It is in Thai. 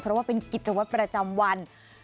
เพราะว่าเป็นกิจวัตรประจำวัน